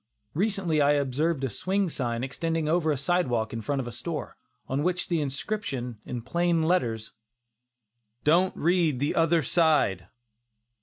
Recently I observed a swing sign extending over the sidewalk in front of a store, on which was the inscription, in plain letters, "DON'T READ THE OTHER SIDE."